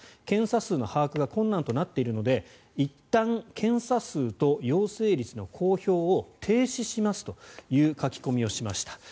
検査数の把握が困難となっているのでいったん検査数と陽性率の公表を停止しますという書き込みをしました。